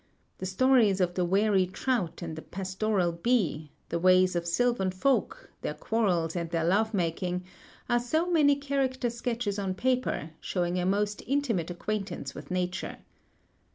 The stories of the wary trout and the pastoral bee, the ways of sylvan folk, their quarrels and their love making, are so many character sketches on paper, showing a most intimate acquaintance with nature.